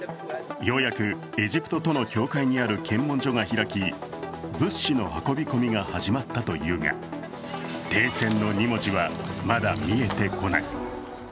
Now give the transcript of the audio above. ようやくエジプトとの境界にある検問所が開き、物資の運び込みが始まったというが停戦の２文字はまだ見えてこない。